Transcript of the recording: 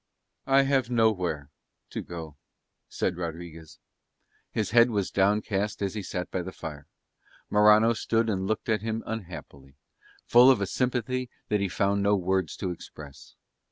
"I have nowhere to go," said Rodriguez. His head was downcast as he sat by the fire: Morano stood and looked at him unhappily, full of a sympathy that he found no words to express.